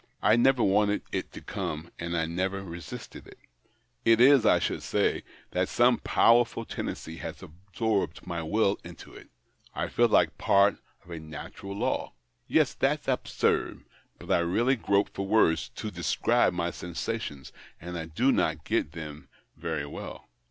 "I never wanted it to come, and I never resist it. It is, I should say, that some powerful tendency has absorbed my will into it. I feel like part of a natural law. Yes, that's absurd, but I really grope for words to describe my sensations, and I do not get them very well."